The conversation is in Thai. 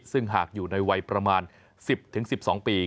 ซึ่งหากอยู่ในวัยประมาณ๑๐๑๒ปี